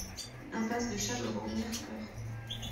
Impasse de Chaberot, Mirefleurs